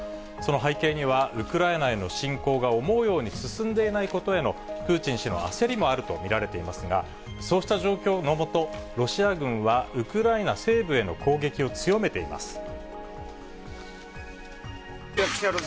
その背景には、ウクライナへの侵攻が思うように進んでいないことへのプーチン氏の焦りもあると見られていますが、そうした状況の下、ロシア軍はウクライナ西部への攻撃を強めています。